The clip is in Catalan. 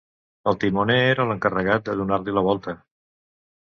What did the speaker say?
El timoner era l'encarregat de donar-li la volta.